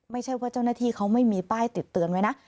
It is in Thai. ไม่ใช่ว่าเจ้าหน้าที่เขาไม่มีป้ายติดเตือนไว้นะ